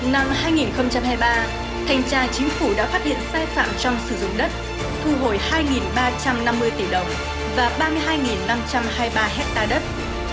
năm hai nghìn hai mươi ba thanh tra chính phủ đã phát hiện sai phạm trong sử dụng đất thu hồi hai ba trăm năm mươi tỷ đồng và ba mươi hai năm trăm hai mươi ba hectare đất